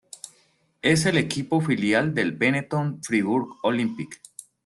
Es el equipo filial del Benetton Fribourg Olympic.